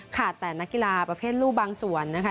ค่ะแต่นักกีฬาประเภทลูกบางส่วนนะคะ